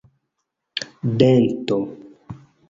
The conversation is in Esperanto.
dento